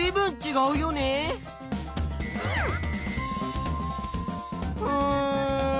うん。